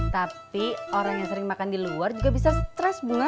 tapi orang yang sering makan di luar juga bisa stress bunga